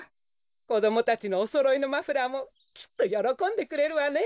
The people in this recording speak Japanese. こどもたちのおそろいのマフラーもきっとよろこんでくれるわね。